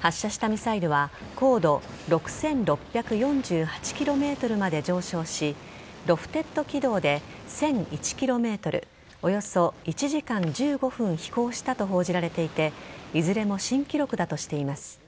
発射したミサイルは高度６６４８ｋｍまで上昇しロフテッド軌道で１００１ｋｍおよそ１時間１５分飛行したと報じられていていずれも新記録だとしています。